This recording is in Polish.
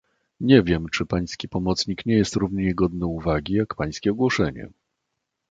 "Nie wiem, czy pański pomocnik nie jest równie godny uwagi jak pańskie ogłoszenie."